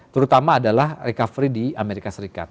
terutama adalah recovery di amerika serikat